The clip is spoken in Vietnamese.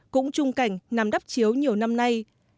cũng trung cảnh nằm đắp chiếu nhiều năm nay